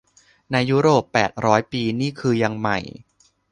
ในยุโรปแปดร้อยปีนี่คือยังใหม่